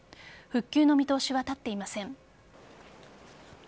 復旧の見通しは立っていません。